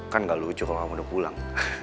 kan gak lucu kalau kamu udah pulang